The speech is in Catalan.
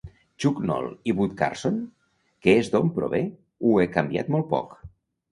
Chuck Noll i Bud Carson, que és d'on prové, ho he canviat molt poc.